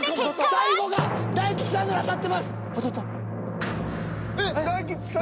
最後が大吉さんなら当たってます。